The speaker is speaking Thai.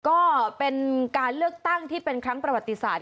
ก็เป็นการเลือกตั้งที่เป็นครั้งประวัติศาสต